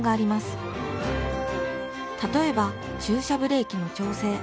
例えば駐車ブレーキの調整。